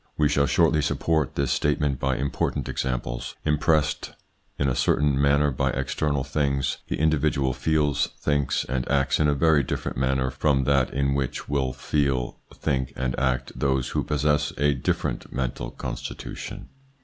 We shall shortly support this statement by important examples. Impressed in a certain manner by external things, the individual feels, thinks, and acts in a very different manner from that in which will feel, think, and act those who possess a different mental constitution.